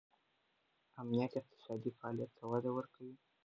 امنیت اقتصادي فعالیت ته وده ورکوي.